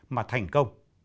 mà thành công